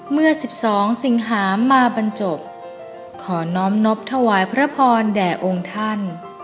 เมื่อ๑๒สิงหามาบรรจบขอน้อมนบถวายพระพรแด่องค์ท่าน